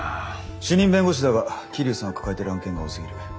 主任弁護士だが桐生さんは抱えてる案件が多すぎる。